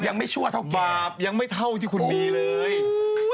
ยังไม่ชั่วเท่าแก่อย่างไม่เท่าที่คุณมีเลย